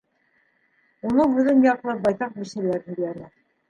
Уның һүҙен яҡлап байтаҡ бисәләр һөйләне.